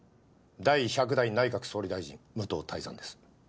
第１００代内閣総理大臣武藤泰山です。